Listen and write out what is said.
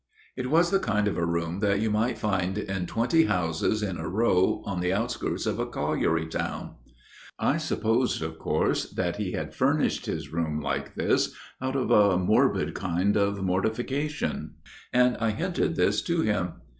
It was the kind of a room that you might find in twenty houses in a row on the outskirts of a colliery town. " I supposed of course that he had furnished his room like this out of a morbid kind of mortification, and I hinted this to him.